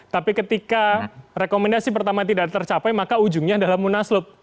tapi ketika rekomendasi pertama tidak tercapai maka ujungnya adalah munaslup